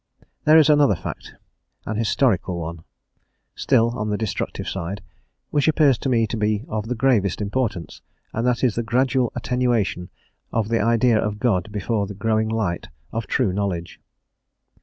There is another fact, an historical one, still on the destructive side, which appears to me to be of the gravest importance, and that is the gradual attenuation of the idea of God before the growing light of true knowledge.